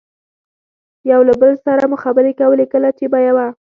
یو له بل سره مو خبرې کولې، کله چې به یوه.